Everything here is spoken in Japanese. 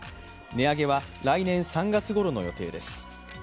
値上げは来年３月ごろの予定です。